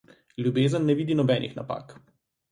Ljubezen ne vidi nobenih napak.